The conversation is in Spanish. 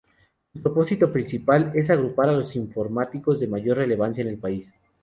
Su propósito principal es agrupar a los informáticos de mayor relevancia en el país.